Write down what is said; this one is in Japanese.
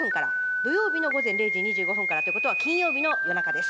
土曜日の午前０時２５分からということは金曜日の夜中です。